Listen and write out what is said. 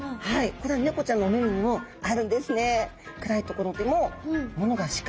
これはネコちゃんのお目々にもあるんですね。